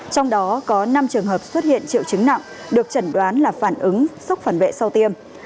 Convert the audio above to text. trong đó có năm trường hợp xuất hiện triệu chứng nặng được chẩn đoán là phản ứng sốc phản vệ sau tiêm